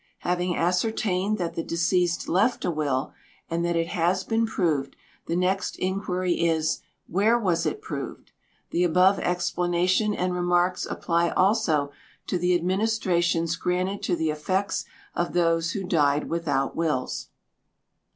Having ascertained that the deceased left a will, and that it has been proved, the next inquiry is, "Where was it proved?" The above explanation and remarks apply also to the administrations granted to the effects of those who died without wills.